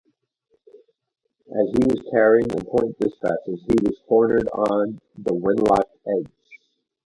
As he was carrying important dispatches, he was cornered on the Wenlock Edge.